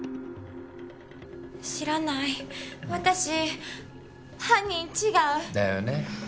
知らない私犯人違うだよね